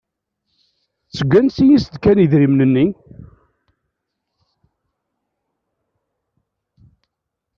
Seg ansi i s-d-kan idrimen-nni?